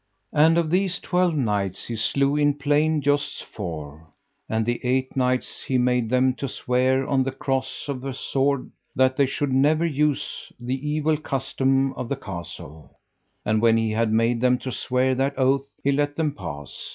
And of these twelve knights he slew in plain jousts four. And the eight knights he made them to swear on the cross of a sword that they should never use the evil customs of the castle. And when he had made them to swear that oath he let them pass.